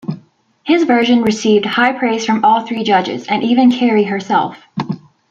His version received high praise from all three judges, and even Carey herself.